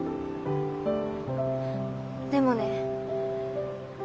でもね